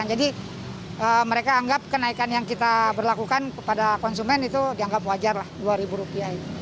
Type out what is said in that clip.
mereka anggap kenaikan yang kita berlakukan kepada konsumen itu dianggap wajar lah rp dua